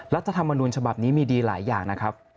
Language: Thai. รัฐธรรมนูญฉบับนี้มีดีหลายอย่างนะครับ